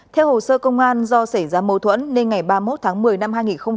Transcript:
theo hồ sơ công an do xảy ra mâu thuẫn nên ngày ba mươi một tháng một mươi năm hai nghìn một mươi ba